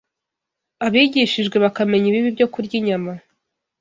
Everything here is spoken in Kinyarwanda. Abigishijwe bakamenya ibibi byo kurya inyama